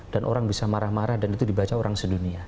dan orang bisa marah marah dan itu dibaca orang sedunia